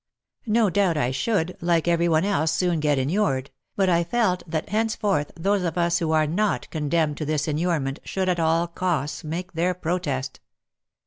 No doubt I should, like every one else, soon get inured, but I felt that hence forth those of us who are not condemned to this inurement should at all costs make their protest.